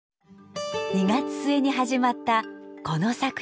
２月末に始まったこの作品展。